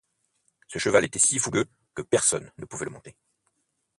Ce cheval était si fougueux, que personne ne pouvait le monter.